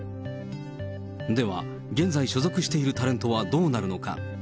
では、現在所属しているタレントはどうなるのか。